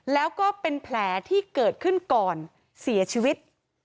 แล้วก็เป็นแผลที่เกิดขึ้นก่อนเสียชีวิต